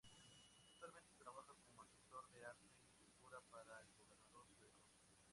Actualmente trabaja como asesor de Arte y Cultura para el Gobierno sueco.